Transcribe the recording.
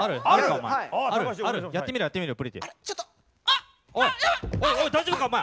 おい大丈夫かお前。